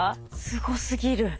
すごすぎる。